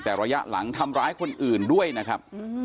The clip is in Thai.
แต่ระยะหลังทำร้ายคนอื่นด้วยนะครับ